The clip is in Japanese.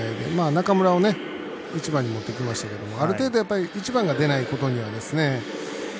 中村を１番に持ってきましたけどある程度、１番が出ないことには。